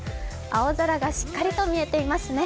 青空がしっかりと見えていますね。